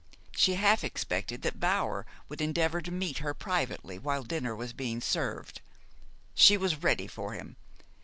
She half expected that Bower would endeavor to meet her privately while dinner was being served. She was ready for him.